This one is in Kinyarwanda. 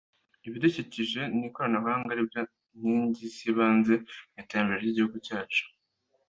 ibidukikije n’ikoranabuhanga aribyo nkingi z’ibanze mu iterambere ry’igihugu cyacu